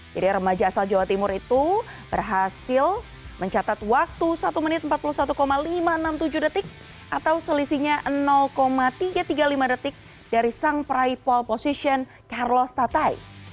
jadi remaja asal jawa timur itu berhasil mencatat waktu satu menit empat puluh satu lima ratus enam puluh tujuh detik atau selisihnya tiga ratus tiga puluh lima detik dari sang praipal posisi carlos tatai